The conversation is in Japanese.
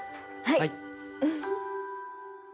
はい。